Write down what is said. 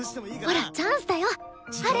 ほらチャンスだよハル！